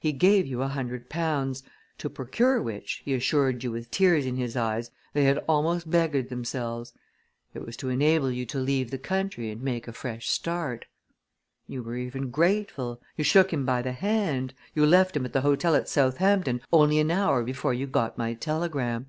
He gave you a hundred pounds, to procure which, he assured you with tears in his eyes, they had almost beggared themselves. It was to enable you to leave the country and make a fresh start. "You were even grateful. You shook him by the hand. You left him at the hotel at Southampton only an hour before you got my telegram."